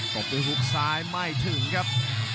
ตกไปหุบซ้ายไม่ถึงครับ